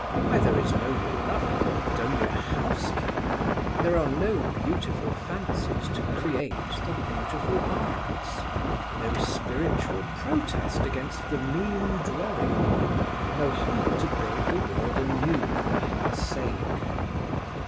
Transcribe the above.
Where there is no beloved, but only a housekeeper, there are no beautiful fancies to create the beautiful arts, no spiritual protest against the mean dwelling, no hunger build the world anew for her sake.